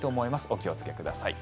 お気をつけください。